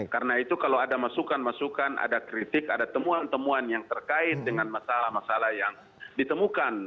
karena itu kalau ada masukan masukan ada kritik ada temuan temuan yang terkait dengan masalah masalah yang ditemukan